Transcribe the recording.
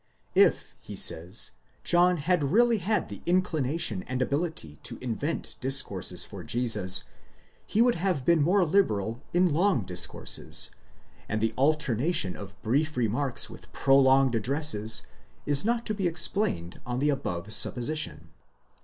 If, he says, John had really had the inclination and ability to invent discourses for Jesus, he would have been more liberal in long discourses ; and the alternation of brief remarks with prolonged addresses, is not to be explained on the above supposition.